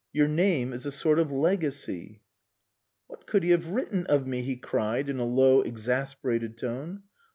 Your name is a sort of legacy." "What could he have written of me?" he cried, in a low, exasperated tone.